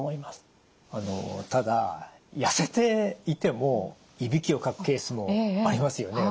あのただ痩せていてもいびきをかくケースもありますよね。